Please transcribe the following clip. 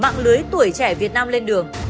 mạng lưới tuổi trẻ việt nam lên đường